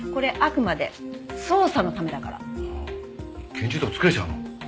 拳銃とか作れちゃうの？